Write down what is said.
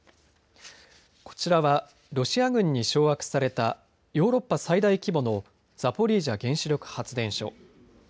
こちらはロシア軍に掌握されたヨーロッパ最大規模のザポリージャ原子力発電所。